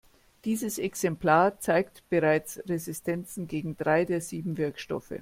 Dieses Exemplar zeigt bereits Resistenzen gegen drei der sieben Wirkstoffe.